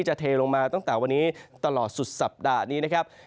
เทลงมาตั้งแต่วันนี้ตลอดสุดสัปดาห์นี้นะครับ